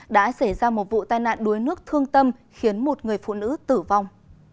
đã xảy ra một vụ tai nạn đuối nước thương tâm khiến một người phụ nữ tử vong